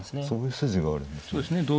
そういう筋があるんですね。